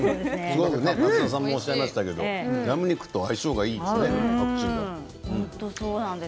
松田さんもおっしゃいましたがラム肉と相性がいいですねパクチー。